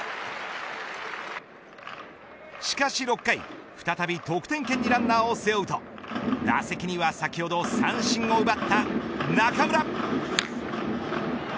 しかし６回再び得点圏にランナーを背負うと打席には、先ほど三振を奪った中村。